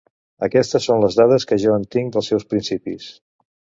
Aquestes son les dades que jo en tinc dels seus principis.